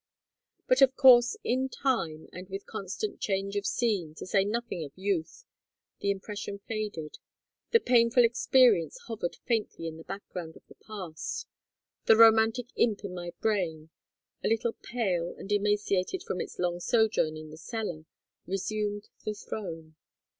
"But, of course, in time, and with constant change of scene, to say nothing of youth, the impression faded; the painful experience hovered faintly in the background of the past; the romantic imp in my brain, a little pale and emaciated from its long sojourn in the cellar, resumed the throne.